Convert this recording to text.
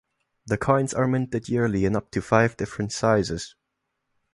The coins are minted yearly in up to five different sizes.